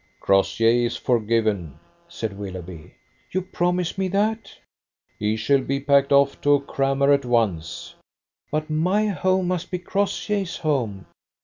"Crossjay is forgiven," said Willoughby. "You promise me that?" "He shall be packed off to a crammer at once." "But my home must be Crossjay's home."